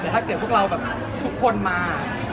แต่ถ้าเกิดพวกเราแบบทุกคนมา